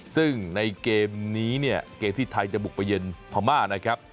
ซึ่งในเกมนี้เนี่ยเกมที่ไทยจะบุกไปเย็นพม่านะครับ